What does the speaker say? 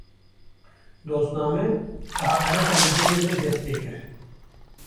Dozname, bi heqareta li gelê me dest pê dikir